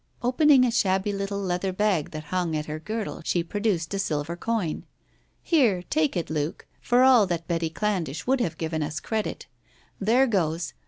Opening a shabby little leather bag that hung at her girdle, she produced a silver coin. "Here, take it, Luke. For all that Betty Candlish would have given us credit. There goes !